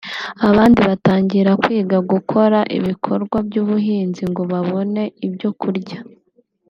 abandi batangira kwiga gukora ibikorwa by’ubuhinzi ngo babone ibyo kurya